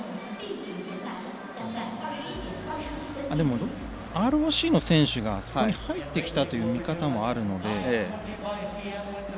でも、ＲＯＣの選手がそこに入ってきたという見方もあるので。